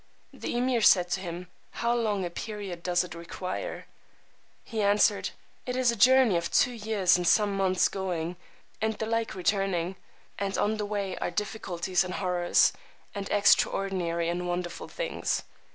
The Emeer said to him, How long a period doth it require? He answered, It is a journey of two years and some months going, and the like returning; and on the way are difficulties and horrors, and extraordinary and wonderful things.